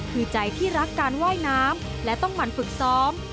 คือใจที่รักการว่ายน้ำและต้องหมั่นฝึกซ้อม